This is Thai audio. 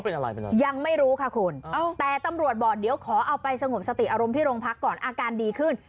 เป็นอะไรไปแล้วยังไม่รู้ค่ะคุณแต่ตำรวจบอกเดี๋ยวขอเอาไปสงบสติอารมณ์ที่โรงพักก่อนอาการดีขึ้น